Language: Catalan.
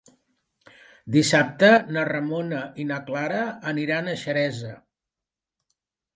Dissabte na Ramona i na Clara aniran a Xeresa.